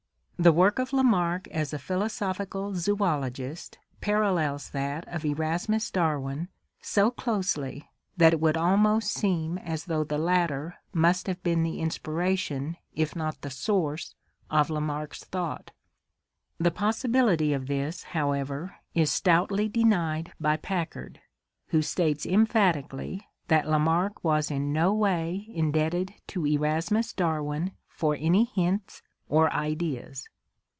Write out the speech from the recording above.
The work of Lamarck as a philosophical zoologist parallels that of Erasmus Darwin so closely that it would almost seem as though the latter must have been the inspiration if not the source of Lamarck's thoughts The possibility of this, however, is stoutly denied by Packard, who states emphatically that La marck was in no way indebted to Erasmus Darwin for any hints or ideas.